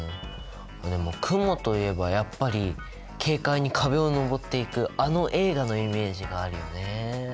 あっでもクモといえばやっぱり軽快に壁をのぼっていくあの映画のイメージがあるよね。